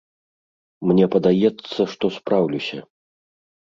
Мне падаецца, што спраўлюся.